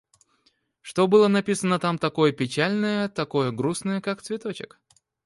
Что было написано там такое печальное, такое грустное, как цветочек?